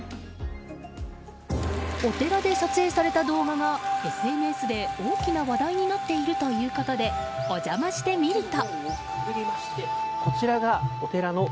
お寺で撮影された動画がＳＮＳで大きな話題になっているということでお邪魔してみると。